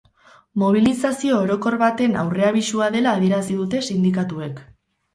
Mobilizazio orokor baten aurreabisua dela adierazi dute sindikatuek.